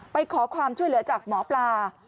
ไปขอความช่วยเหลือจากหมอปลา